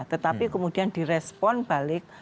tetapi kemudian di respon balik